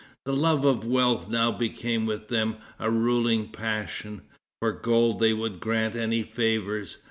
The love of wealth now became with them a ruling passion. For gold they would grant any favors.